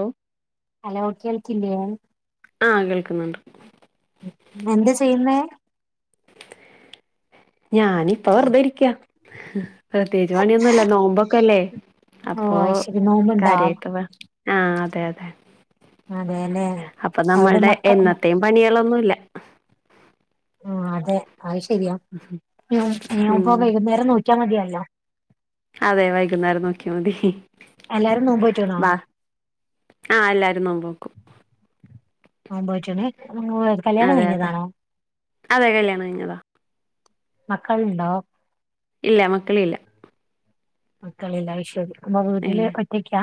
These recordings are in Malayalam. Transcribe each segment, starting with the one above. ഹലോ ഹലോ കേൾക്കില്ലേ ആഹ് കേൾക്കുന്നുണ്ട് എന്ത് ചെയ്യുന്നേ ഞാനിപ്പം വെറുതെ ഇരിക്ക, പ്രത്യേകിച്ച് പണിയൊന്നും ഇല്ല നോമ്പൊക്കെല്ലേ. ഓ അപ്പൊ അയ്ശരി നോമ്പ്ണ്ടാ കരയെക്കെ ആ അതെ അതെ അതെല്ലേ അപ്പൊ അവിടെ നമ്മളുടെ മക്ക എന്നത്തെയും പണികളൊന്നുല്ല. ആ അതെ അത് ശരിയാ ഞാൻ ഉം ഇപ്പം വൈകുന്നേരം നോക്കിയാൽ മതിയല്ലോ. അതെ വൈകുന്നേരം നോക്കിയൽ മതി. എല്ലാരും നോമ്പ് നോറ്റ്ണോ?. ബാ ആഹ് എല്ലാരും നോമ്പ് നോക്കും നോമ്പ് നോറ്റ്ണ് നിങ്ങ അതെ അതെ അതെ കല്യാണം കഴിഞ്ഞതാ മക്കള് ഇണ്ടോ?. ഇല്ല, മക്കള് ഇല്ല. മക്കളില്ല അയ് ശരി അപ്പോ വീട്ടിൽ ഇല്ല ഒറ്റക്കാ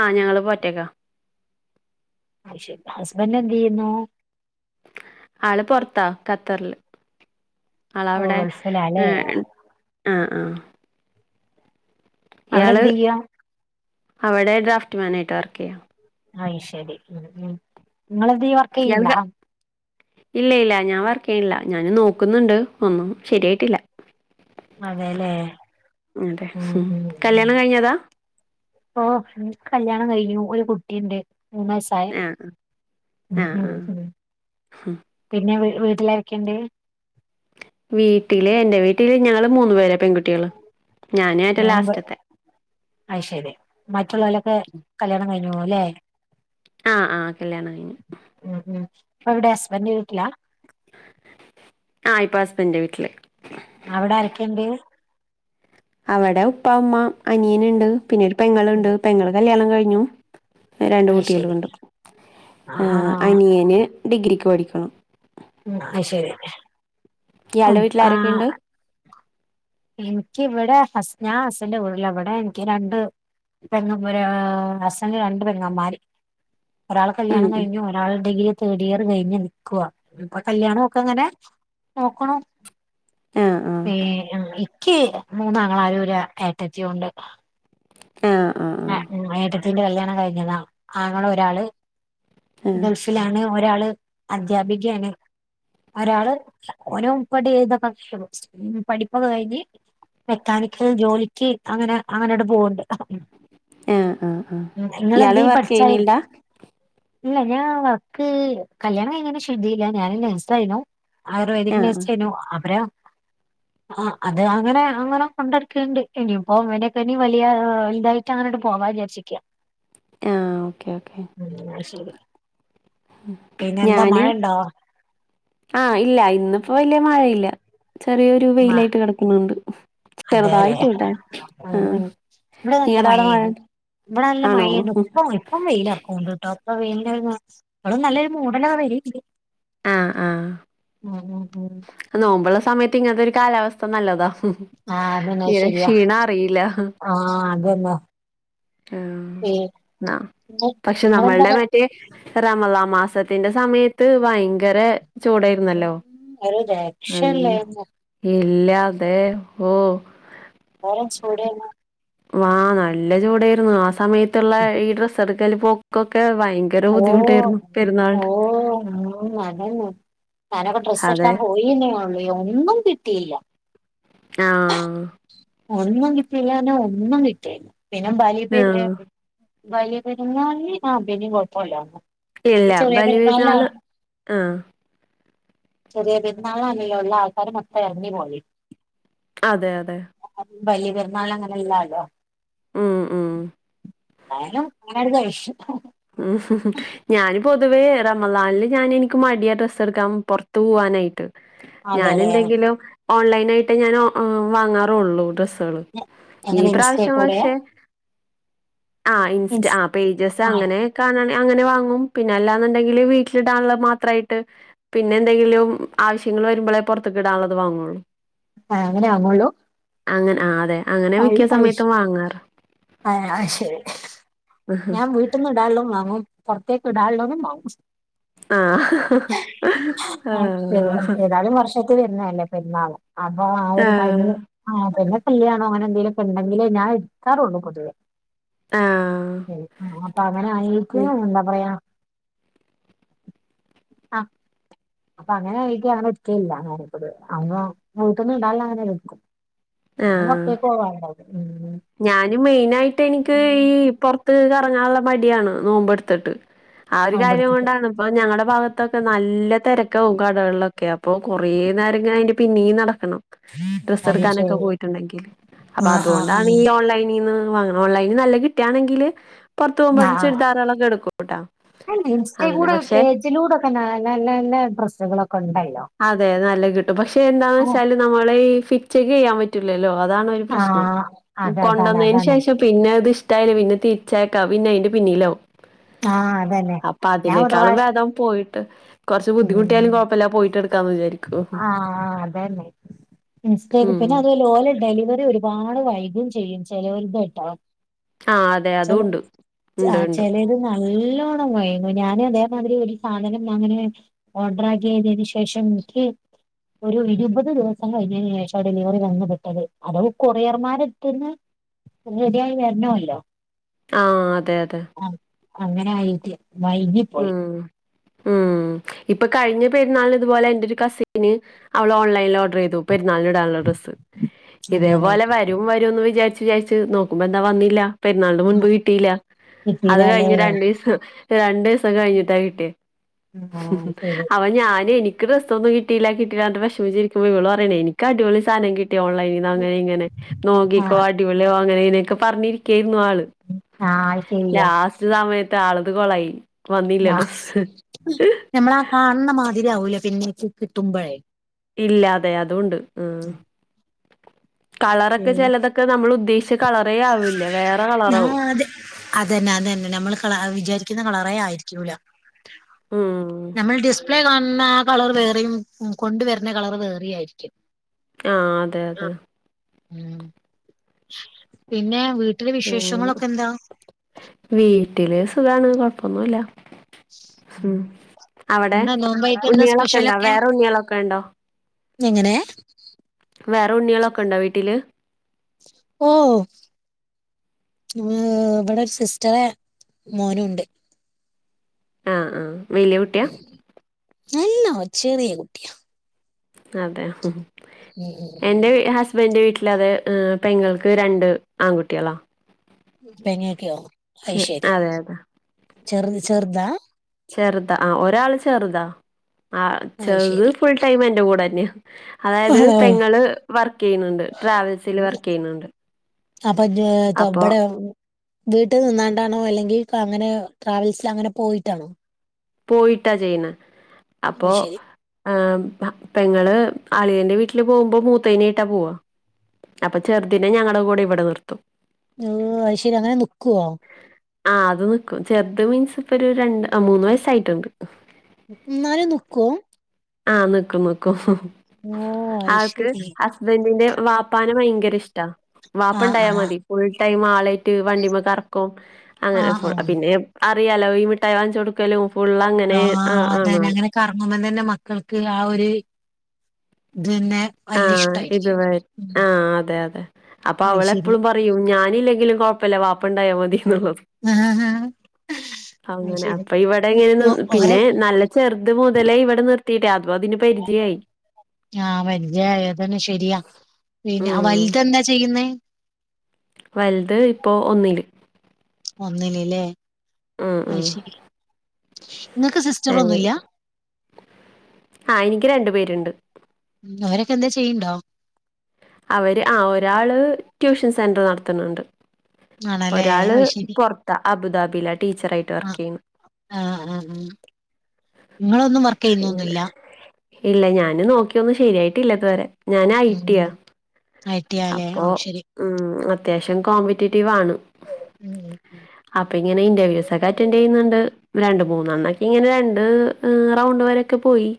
ആഹ് ഞങ്ങള് ഇപ്പോ ഒറ്റക്കാം ആത് ശരി ഹസ്ബൻ്റ എന്ത് ചെയ്യുന്നു. ആള് പൊറത്താ ഖത്തറില് ആള് ഓ അവിടെ ഗൾഫിലാല്ലേ ഉം ആഹ് ആഹ് അവിടെ ഇയാള് എന്ത് ചെയ്യാ അവിടെ ഡ്രാഫ്റ്റ്മാനയിട്ട് വർക്ക് ചെയ്യാം. അയ് ശരി ഉം ഉം നിങ്ങള് എന്ത് ചെയാ ഇയാൾക്ക് ഇല്ല ഇല്ല ഞാൻ വർക്ക് ചെയ്യണില്ല. ഞാൻ നോക്കുന്നുണ്ട് ഒന്നും ശരിയായിട്ടില്ല. അതെല്ലേ. ഉം കല്യാണം കഴിഞ്ഞതാ?. ഓ എനിക്ക് കല്യാണം കഴിഞ്ഞു. ഒരു കുട്ടിയുണ്ട് മൂന് വയസ്സ് ആഹ് ആഹ് [unintelligible] ഉം ആഹ് ഉം പിന്നെ വീട്ടിലരക്കണ്ട്?. വീട്ടില് എൻ്റെ വീട്ടില് ഞങ്ങള് മൂന്നു പേരാ പെൺകുട്ടികള്, ഞാനാ ഏറ്റം ലാസ്റ്റത്തെ. അയ് ശരി മറ്റുള്ള ഒലൊക്കെ കല്യാണം കഴിഞ്ഞുല്ലേ. ആഹ് ആഹ് കല്യാണം കഴിഞ്ഞു. ഉം ഉം ഇപ്പം എവിടെ ഹസ്ബൻ്റൻ്റിൻ്റെ വീട്ടിലാ ആഹ് ഇപ്പൊ ഹസ്ബൻ്റൻ്റ വീട്ടിലാ അവിടെ ആരക്കെയുണ്ട്?. അവിടെ ഉപ്പ, ഉമ്മ അനിയൻ ഉണ്ട്. പിന്നൊരു ഉം. പെങ്ങുണ്ട് പെങ്ങൾ കല്യാണം കഴിഞ്ഞു. രണ്ട് അത് ശരി കുട്ടികളുണ്ട് ആഹ് ആഹ് ആഹ് അനിയന് ഡിഗ്രിക്ക് പഠിക്കുണു ഉം അയ് ശരി ഇയാളുടെ വീട്ടിൽ ആരൊക്കെ ഉണ്ട്. എനിക്കിവിടെ ഹസ് ഞാൻ ഹസിൻ്റെ വീട്ടില എനിക്ക് വിട് രണ്ട് പെങ്ങമാര് ഹസിന് രണ്ട് പെങ്ങമാര് ഒരാളെ ഉം കല്ല്യാണം ഉം കഴിഞ്ഞു ഒരാള് ഡിഗ്രി തേർഡ് ഇയർ കഴിഞ്ഞ് നിക്കുവാ ഇപ്പൊ കല്യാണമൊക്കെ ഇങ്ങനെ നോക്ക്ണു ആഹ് ആഹ് ഏ ആഹ് ഇക്ക് മൂന്നാങ്ങളാരും ഒരു ഏട്ടത്തിയും ഉണ്ട്. ആഹ് ആഹ് ആ ഏട്ടത്തീന്റെ കല്യാണം കഴിഞ്ഞതാ ആങ്ങള ഒരാള് ആഹ് ഗൾഫ് ലാണ് ഒരാള് അദ്ധ്യാപികയാണ്. ഒരാള് ഓരോ ഉപ്പടി ചെയ്താ പഠിച്ചത് പഠിപ്പൊക്കെ കഴിഞ്ഞ് മെക്കാനിക്കൽ ജോലിക്ക് അങ്ങനെ അങ്ങനെട് പോവണ്ട്. ആഹ് ആഹ് ആഹ് ഇയാള് വർക്ക് പഠിച്ചായി ചെയ്യണില്ലാ? ഇല്ല ഞാൻ വർക്ക് കല്യാണം കഴിഞ്ഞങ്ങനെ [unintelligible] ഞാന് നഴ്സായിനു. ആയുർവേദിക് ആഹ് ആഹ് നഴ്‌സായിനു അവരോ ആഹ് അത് അങ്ങനെ അങ്ങനെ കൊണ്ടടുക്കേണ്ട് ഇനിയിപ്പോ അങ്ങിനൊക്കെ ഇനി വലിയ ഇതായി ട്ടങ്ങനോട്ട് പോവാ വിചാര്ച്ചിക്ക്യാ ആഹ് ഓക്കെ ഓക്കെ എന്നാ ശരി പിന്നെ എന്താ മഴ ഞാന് ഉണ്ടോ ആഹ് ഇല്ല ഇന്നിപ്പോ വെല്യ മഴയില്ല ചെറിയൊരു മ വെയിലായിട്ട് കെടക്ക്ണ് ണ്ട് അതെല്ലേ ചെറുതായിട്ട് കേട്ടാ ഉം ആഹ് ഉം നിങ്ങടെ ആട മഴ ഇവിട നല്ല ആണോ മഴേനു ഇപ്പ ഓയി പ്പം വെയിലർക്കുണ്ട് ട്ടോ പ്പൊ വെയിലിൻ്റെ ഒരു നല്ല ഇപ്പോളും നല്ലൊരു മൂടലാ വരേണ്ട് ആഹ് ഉം ഉം ഉം നോമ്പ്ള്ള സമയത്ത് ഇങ്ങനത്തെ ഒരു കാലാവസ്ഥ നല്ലതാ ആഹ് അതന്നെ തീരെ ശരിയാ ക്ഷീണം അറിയില്ല ആഹ് അതന്നേ ആഹ് ന്നാ പക്ഷെ നിങ്ങളെന്താ നമ്മൾടെ പ മറ്റേ റമളാൻ മാസത്തിന്റെ സമയത്ത് ഭയങ്കരെ ചൂടായിരുന്നല്ലോ ഉം ഒരു അയ്യോ രക്ഷയില്ലായിരുന്നു ഇല്ലാ ദേ ഓ പേരൻ്റ്സ് കൂടെയാണോ ആഹ് നല്ല ചൂടേയിരുന്നു ആ സമയത്തുള്ള ഈ ഡ്രസ്സ് എടുക്കല് പോക്കൊക്കെ ഭയങ് ഓ ഓ ഉം ന്നാ ഞാനൊക്കെ ഡ്രസ് അതെ എടുക്കാൻ പോയിന്നേയുള്ളൂ ഒന്നും കിട്ടിയില്ല ആഹ് ഒന്നും കിട്ടീല്ലാഞ്ഞാ ഒന്നും കിട്ടീല്ല പിന്നെ ബലിയപെര് ആഹ് വലിയ പെരുന്നാൾന് ആഹ് പിന്നേം കൊഴപ്പോല്ലാര്ന്ന് ഇല്ല ഈ ചെറിയ പെരുന്നാൾനാ ബലിപെരുന്നാള് ആഹ് ചെറിയ പെരുന്നാൾനാണല്ലോ ഉള്ള ആൾക്കാര് മൊത്തം എറങ്ങി പോല് അതെ അതെ വലിയപെരുന്നാൾന് അങ്ങനല്ലാല്ലോ ഉം ഉം എന്തായാലും ഇങ്ങനങ്ങട് കഴിഷും ഉം ഞാന് പൊതുവേ റമളാനില് ഞാൻ എനിക്ക് മടിയ ഡ്രസ്സ് എടുക്കാൻ പൊറത്ത് പൂവാനായിട്ട് ഞാൻ അതെല്ലേ എന്തെങ്കിലും ഓൺലൈൻ ആയിട്ടേ ഞാൻ വാങ്ങാറുള്ളൂ ഡ്രസ് ത്തോളു ഈ എങ്ങനെ ഇൻസ്റ്റേ പ്രാവശ്യം കൂടെയാ പക്ഷെ ആഹ് ഇൻസ്റ്റാ ഇൻസ് ആഹ് പേജസ് ആ അങ്ങ നെ കാണാണെ അങ്ങനെ വാങ്ങും പിന്നെ അല്ലാന്നുണ്ടെങ്കില് വീട്ടിലിടാനുള്ള മാത്രായിട്ട് പിന്നെന്തെങ്കിലും ആവശ്യങ്ങൾ വരുമ്പോളെ പൊറത്തേക്കിടാനുള്ളത് വാങ്ങുള്ളൂ ആഹ് അങ്ങനെ ആങ്ങുള്ളൂ അങ്ങനെ ആഹ് അതെ അങ്ങനെ മിക്ക സമയത്തും വാങ്ങാറ് അഹ് ശരി ഞാൻ വീട്ടിന്ന് ഇടാനുള്ളതും വാങ്ങും പുറത്തേക്ക് ഇടാനുള്ളതും വാങ്ങും ആഹ് ആഹ് ഏതായാലും വർഷ വരുന്നതല്ലേ പെരുന്നാള് അപ്പൊ ആഹ് ഒരു ടൈമില് ആഹ് പിന്നെ കല്യാണോ അങ്ങനെ എന്തെങ്കലുക്കെ ഉണ്ടെങ്കിലെ ഞാൻ എടുക്കാറുള്ളൂ പൊതുവേ ആഹ് അപ്പ അങ്ങനെ ആയെക്ക്‌ എന്താ പറയാ അപ്പ അങ്ങനെ ആയെക്ക് ഞാൻ എടുക്കലില്ല അങ്ങനെ വീട്ട്ന്ന് ഇണ്ടാനുള്ളഅങ്ങനെ എടുക്കും പിന്നെ ആഹ് പൊറത്തേക്ക് പോവാൻ ഞാന് മെയിനായിട്ട് എനിക്ക് ഈ പൊറത്ത് കറങ്ങാനുള്ള മടിയാണ് നോമ്പ് എടുത്തിട്ട് ആ ഒരു കാര്യം അവിടുത്തിട്ട് കൊണ്ടാണ് അപ്പൊ ഞങ്ങള്ടെ ഭാഗത്തൊക്കെ നല്ല തിരക്കാഉം കടകളിലൊക്കെ അപ്പൊ കുറേ നേരം ങ്ങനെ അയിന്റെ പിന്നേം നടക്കണം ഡ്രസ്സ്‌ അത് എടുക്കാനൊക്കെ ശരി പോയിട്ടുണ്ടെങ്കിൽ അപ്പൊ ആഹ് അതോണ്ട് ആഹ് ഓൺലൈനീന്ന് വാങ്ങും ഓൺ ലൈനിൽ നല്ല കിട്ടാണെങ്കിൽ പൊറത്ത് പോകുമ്പോ ചുരിദാറളൊക്കെ എടുക്കും ഇൻസ്റ്റയിലൂടെ പേജിലൂടെക്കെ ന നല്ല നല്ല ഡ്രസ്സുകളൊക്കെ ഉണ്ടല്ലോ അതെ നല്ല കിട്ടും പക്ഷെ എന്താ ഓഹ് വെച്ചാല് നമ്മളെ ഈ ഫിറ്റ് ചെക്ക് ചെയ്യാൻ പറ്റുലല്ലോ അതാണ് ഒരു പ്രശ്നം ആഹ് അത അതാണ് കൊണ്ടുവന്നയിന് അതാണ് ശേഷം പിന്നെ അത് ഇഷ്ടായില്ല പിന്നെ തിരിച്ചയക്കാം പിന്നെ അയിന്റെ പിന്നിലാവും ആഹ് അതന്നെ അപ്പൊ ഞാൻ ഒരു അതിനേക്കാളും പ്രാവശ്യം ഭേദം പോയിട്ട് കോറച്ച് ബുദ്ധിമുട്ടിയാലും ഉം കോഴപ്പല്ല പോയിട്ട് എടുക്കാന്ന് വിചാരിക്കും ആഹ് അതന്നെ ഇൻസ്റ്റ ഉം. പിന്നെ അതല്ല ഓലെ ഡെലിവെറി പാട് വൈകും ചെയ്യും ചെലോൽത്ട്ടോ ആ അതെ ചെൽ അതുണ്ട്. ഉണ്ട്, ആഹ് ഉണ്ട്. ഉണ്ട്. ചെലേത് നല്ലോണം വൈകും ഞാൻ അതേമാതിരി ഒരു സാധനം അങ്ങനെ ഓർഡറാക്ക്യേതേന് ശേഷം ഇന്ക്ക് ഒരു ഇരുപത് ദിവസം കഴിഞ്ഞേന് ശേഷാ ഡെലിവറി വന്ന് പെട്ടത് അതോ കൊറിയർമാരെട്ത്ത്ന്ന് റെഡ്യായി വെര്ണോല്ലോ ആഹ് അതെ അതെ ആഹ് അങ്ങനായീട്ടെ വൈകി ഉം ഉം ഇപ്പൊ കഴ്ഞ്ഞ പെര്ന്നാള്നിത്പോലെ എന്റൊരു കസിന് അവള് ഓൺലൈനിൽ ഓഡ്റെയ്തു പരുന്നാള്ന് ടാള്ള ഡ്രെസ്സ് അതെല്ലേ ഇതേപോലെ വരും വരുംന്ന് വിചാര്ച്ച് വിചാര്ച്ച് നോക്കുമ്പൊന്താ വന്നില്ല പെര്ന്നാള്ൻ്റെ മുൻപ് ആ കിട്ടീലാ അത് കിട്ടീലാല്ലേ കഴ്ഞ്ഞ രണ്ടീസം രണ്ടീസ കഴ്ഞ്ഞ്ട്ടാ കിട്ട്യേ ആ ശരി ഞാന് ഇന്ക്ക് ഡ്രസ്സൊന്നും കിട്ടീല്ലാ കിട്ടീലാർഞ്ഞ്ട്ട് വെഷ്മിച്ചിരിക്കുമ്പോ ഇവള് പറ്യാണേ ഇന്ക്ക് അടിപൊളി സാനം കിട്ടി ഓൺലൈ അങ്ങനിങ്ങനെ ആ നോക്കിക്കോ അടിപൊളിവാ അങ്ങനെങ്ങനൊക്കെ പറ്ഞ്ഞിരിക്കേർന്നു ആൾ ആഹ് ശെരിയാ റ്റ് സമയത്ത് ആളത് കൊളായി വന്നില്ല ആഹ് ഡ്രസ്സ് ഞമ്മളാ കാൺണ മാതിര്യാവൂലാ പിന്നെ കിട്ടുമ്പൊഴേ ഇല്ലതെ അതൂണ്ട് ഉം കളറക്കെ ചെലതക്കെ നമ്മളുദ്ദേശിച്ച കളറേ ആവില്ല വേറെ കളറാവും അതെ അതെന്നെ അതെന്നെ നമ്മള് കള വിചാരിക്കുന്ന കളറേ ആയിരിക്കൂല ഉം നമ്മൾ ഡിസ്പ്ലേ കാണുന്ന ആ കളർ വേറേയും കൊണ്ട് വര്ണ കളർ വേറേയും ആയ്രിക്കും ആഹ് അതെ അതെ ഉം പിന്നെ വീട്ടിൽ അങ്ങനെ. വിശേഷങ്ങളൊക്കെന്താ വീട്ടില് സുഖാണ് കൊഴ്പ്പൊന്നൂല്ലാ ഉം അവ്ടെ എന്താ നോമ്പായിട്ട് എന്താ ഉണ്ണ്യാളൊക്കെണ്ടോ സ്പെഷ്യലൊക്കെ വേറൊണ്ണ്യാളൊക്കെണ്ടോ എങ്ങനെ വേറൊണ്ണ്യാളൊക്കെണ്ടോ വീട്ടിൽ ഓഹോ ഇവടെ സിസ്റ്റെറെ മോനുണ്ട് ആഹ് ആഹ് വല്യ കുട്ടിയാ? നല്ല ചെറ്യേ കുട്ട്യാ അതെ എന്റെ വി ഹസ് ബന്റെ വീട്ടിലതേ പെങ്ങൾക്ക് രണ്ട് ആൺകുട്ട്യാളാ പെങ്ങക്കോ ചെ അയ്ശെരി അതെ അതെ. ചെറുത് ചെറ്താ ചെറ്താ ആ ഒരാൾ ചെറുതാ ആ അത് ചെറ്ത് ശരി ഫുൾ ടൈം എന്റെ കൂടെന്നെയാ അതായത് ആണോ പെങ്ങള് വർക്കെയ്യ്ന്ന്ണ്ട് ട്രാവൽസിൽ വർക്കെയ്യ്ന്ന്ണ്ട് അപ്പജ്ജ് ത്തമ്പടെ വീട്ട് നിന്നാണ്ടാണോ അല്ലെങ്കിപ്പങ്ങനെ ട്രാവൽസ്ലങ്ങനെ പോയിട്ടാണോ പോയിട്ടാ ചെയ്യ്ണേ അത് അപ്പോ ശരി ആഹ് പെങ്ങള് അളിയന്റെ വീട്ടിൽ പോകുമ്പോ മൂത്തേനേട്ടാ പോവാ അപ്പം ചെറ്തിനെ ഞങ്ങളെ കൂടെവടെ നിർത്തും ഓഹ് അത് ശെരി അങ്ങനെ നിക്കോ ആഹ് അത് നിക്കും ചെറ്ത് മീൻസ് ഇപ്പൊരു രണ്ട് അ മൂന്ന് വയ്സ്സായ്ട്ടുണ്ട് നാലും നിക്കോ ആഹ് നിക്കും നിക്കും ഓഹ് ആൾക്ക് അയ്ശരി. ഹസ്ബന്റിന്റെ വാപ്പാന ഭയങ്കര ഇഷ്ടാ. വാപ്പ ആഹ് ഇണ്ടായാൽ ആഹ് മതി ഫുൾ ടൈം ആളായിട്ട് വണ്ടിമ്മ കറക്കും അങ്ങനെ ആഹ് ഫു ആഹ് പിന്ന അറിയാലോ ഈ മിഠായി വാങ്ങിച്ച് കൊടുക്കലും ഫുള്ള് അങ്ങനെ ആണ് ആൾ കർമ്മം തന്നെ മക്കൾക്ക് ആ ഒരു ഇത് തന്നെ വല്യ ആഹ് ഇഷ്ടായിരിക്കും. ഇതുവരെ ഉം ആ അതെ അതെ അപ്പൊ അവള അയ്ശരി എപ്പോഴും പറ പറ ഞാനില്ലെങ്കിലും കൊഴപ്പല്ല വിപ്പ ഇണ്ടായമതി എന്നുള്ളത്. അങ്ങനെ അയ്ശരി. അപ്പൊ ഇവിടെ എങ്ങനെ ഒ ഓരെ പിന്നെ നല്ല ചെറുത് മുതലേ ഇവിടെ നിർത്തിയിട്ടെ അപ്പ പിന്നെ അതിന് പരിചയായി. ആഹ് വലിയ അതന്നെ ശരിയാ പിന്നെ ഉം വലുത് എന്താ ചെയ്യുന്നേ? വലുത് ഇപ്പോ ഒന്നില് ഒന്നിലില്ലേ ഉം അയ് ഉം ശരി നിങ്ങക്ക് സിസ് അങ്ങെ ആ എനിക്ക് രണ്ടു പേരുണ്ട് ഉം അവരൊക്കെ എന്താ ചെയ്യുണ്ടോ? അവര് ആ ഒരാള് ട്യൂഷൻ സെന്റർ നടത്തുന്നുണ്ട്. ആണല്ലേ ഒരാള് അയ്ശരി. പൊറത്താ അബുദാബിയിലാ ടീച്ചറായിട്ട് വർക്ക് ആഹ് ചെയ്യുന്നു. ആഹ് ആഹ് നിങ്ങളൊന്നും വർക്ക് അങ്ങനെ ചെയ്യുന്നൊന്നുല്ല ഇല്ല ഞാന് നോക്കിയ ഒന്നും ശരിയായിട്ടല്ലാ ഇതുവരെ ഞാന് ഐ ടി യാ ആ ഐ ട്ടി യാലെ അയ്ശരി ഉം അത്യാവശ്യം കോമ്പറ്റേറ്റീവ് ആണ്. ഉം ഉം ഉം. അപ്പൊ ഇങ്ങനെ ഇൻ്റർവ്യൂസൊക്കെ അറ്റൻ്റ് ചെയ്യുന്നുണ്ട് രണ്ട് മൂന്നെണ്ണക്കെ ഇങ്ങനെ രണ്ട് മ് റൗണ്ട് വരൊക്കെ പോയി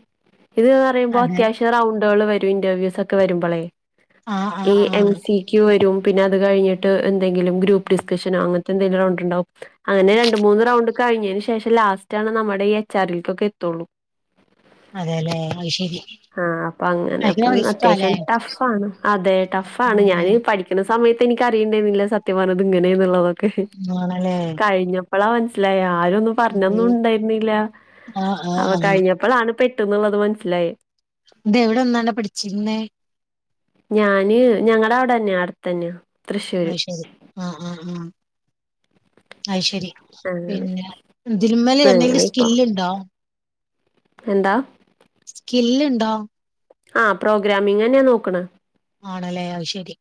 ഇത് പറയുംപോ അതെ അത്യാവശ്യം റൗണ്ടുകള് വരും ഇന്റർവ്യൂസ് ഒക്കെ വരുമ്പോളേ ആഹ് ഈ ആഹ് എം ആഹ് സി വരു പിന്നെ അത് കഴിഞ്ഞിട്ട് എന്തെങ്കിലും ഗ്രൂപ്പ് ഡിസ്കഷനോ അങ്ങനത്തെ എന്തെങ്കിലും ഉണ്ടാവും. അങ്ങനെ രണ്ട് മൂന്ന് റൗണ്ട് കഴിഞ്ഞേന് ശേഷം ലാസ്റ്റ് ആണ് നമ്മുടെ ഈ എച്ച് ആർ ഇൽക്കൊക്കെ എത്തുള്ളൂ. അതെല്ലേ അത് ശരി ആഹ് അപ്പൊ അങ്ങനെപ്പ ഭയങ്കര റിസ്കാല്ലേ അത്യാവശ്യം ടഫാണ് അതെ ടഫാണ് ഞാന് പഠിക്കുന്ന സമയത്ത് എനിക്ക് അറിയേണ്ടരുന്നില്ല സത്യ പറഞ്ഞ ഇത് ഇങ്ങനെ എന്നുള്ളതൊക്കെ. ആണല്ലേ കഴിഞ്ഞപ്പളാ മനസ്സിലായി ആരൊന്നും പറഞ്ഞൊന്നും ഉണ്ടായിരുന്നില്ല ആഹ് ആഹ് അവ ആഹ് കഴിഞ്ഞപ്പോഴാണ് പെട്ടന്നുള്ളത് മനസ്സിലായി. ഇതെവിടുന്നാണ് പഠിച്ചിരുന്നേ ഞാന് ഞങ്ങള അവിടെ തന്നെയാ അടുത്തന്നയാ അയ്ശരി ആഹ് ആഹ് ആഹ് അയ് ശരി അങ്ങനെ പിന്നെ ഇതിൽമേല അങ്ങനെ എന്തെങ്കിലും ഇപ്പൊ സ്കില്ലുണ്ടോ എന്താ സ്കില്ലിണ്ടോ ആ പ്രോഗ്രമിംഗ് തന്നെയാ നോക്കണെ. ആണല്ലേ അയ്ശരി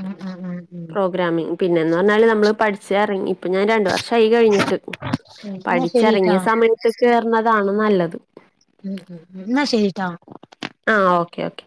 ഉം ഉം ഉം [unintelligible] പിന്നെന്ന് പറഞ്ഞാല് നമ്മള് പഠിച്ചറങ്ങി ഇപ്പൊ ഞാൻ രണ്ട് വർഷായി കഴിഞ്ഞിട്ട് ഉം, എന്നാ ശരിട്ടാ പഠിച്ചിറങ്ങിയ സമയ ത്ത് കേറണതാണ് നല്ലത് ഉം ഉം എന്നാ ശരിട്ടോ ആ ഓക്കെ ഓക്കെ